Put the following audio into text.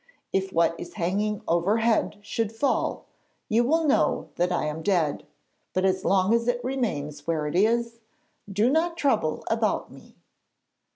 If what is hanging overhead should fall, you will know that I am dead. But as long as it remains where it is, do not trouble about me.'